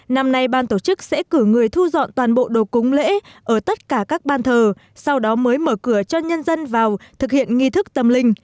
năm nay ban tổ chức sẽ cử người thu dọn toàn bộ đồ cúng lễ ở tất cả các ban thờ sau đó mới mở cửa cho nhân dân vào thực hiện nghi thức tâm linh